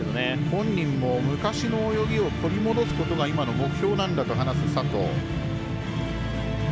本人も昔の泳ぎを取り戻すということが今の目標なんだと話す佐藤。